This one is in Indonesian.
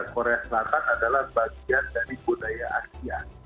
korea selatan adalah bagian dari budaya asia